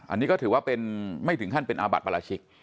อันนี้ก็ถือว่าเป็นไม่ถึงขั้นเป็นอาบัติปราชิก